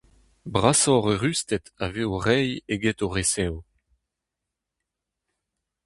Brasoc’h eürusted a vez o reiñ eget o resev.